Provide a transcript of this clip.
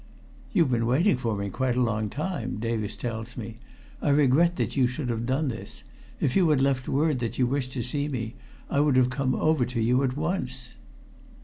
"You've been waiting for me quite a long time, Davis tells me. I regret that you should have done this. If you had left word that you wished to see me, I would have come over to you at once."